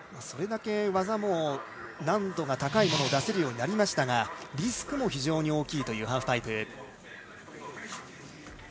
それだけ技も難度が高いものを出せるようになりましたがリスクも非常に大きいというハーフパイプ。